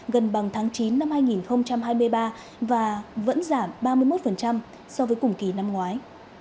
gần bằng tháng chín năm hai nghìn hai mươi ba và vẫn giảm ba mươi một so với cùng kỳ năm ngoái